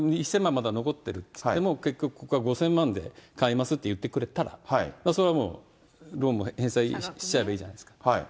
まだ残ってるっていっても、結局ここが５０００万で買いますって言ってくれたら、それはもう、ローンも返済しちゃえばいいじゃないですか。